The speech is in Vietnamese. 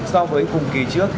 so với cùng kỳ trước